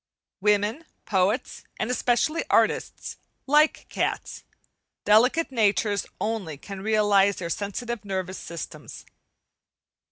Women, poets, and especially artists, like cats; delicate natures only can realize their sensitive nervous systems.